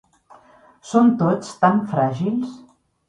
Són tots tan fràgils!